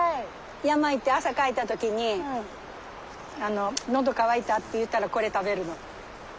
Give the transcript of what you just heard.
山行って汗かいた時に喉渇いたって言うたらこれ食べるの。